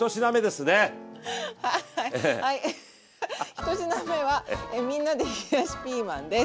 １品目はみんなで冷やしピーマンです。